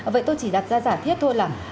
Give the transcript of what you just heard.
vậy tôi chỉ đặt ra giả thiết thôi là